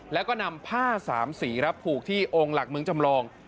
แล้วก็นำผ้าสามสีครับผูกที่องค์หลักเมืองจำลอง